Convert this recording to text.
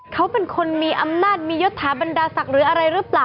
เขาเป็นคนมีอำนาจมียศถาบรรดาศักดิ์หรืออะไรหรือเปล่า